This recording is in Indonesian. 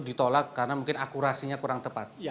ditolak karena mungkin akurasinya kurang tepat